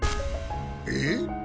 えっ？